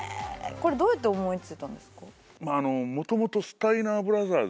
これどうやって思い付いたんですか？